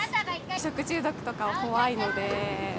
食中毒とか怖いので。